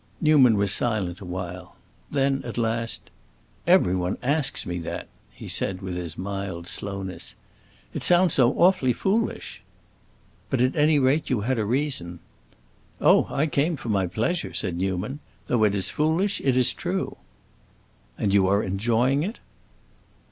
Newman was silent a while. Then, at last, "Everyone asks me that!" he said with his mild slowness. "It sounds so awfully foolish." "But at any rate you had a reason." "Oh, I came for my pleasure!" said Newman. "Though it is foolish, it is true." "And you are enjoying it?"